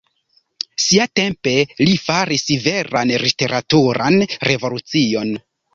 Siatempe li faris veran literaturan revolucion.